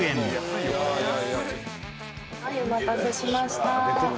はいお待たせしました。